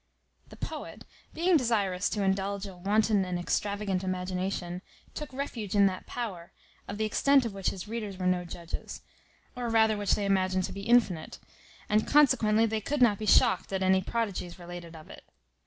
The poet, being desirous to indulge a wanton and extravagant imagination, took refuge in that power, of the extent of which his readers were no judges, or rather which they imagined to be infinite, and consequently they could not be shocked at any prodigies related of it.